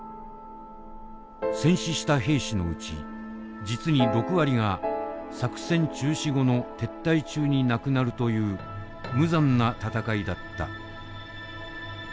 戦死した兵士のうち実に６割が作戦中止後の撤退中に亡くなるという無残な戦いだった。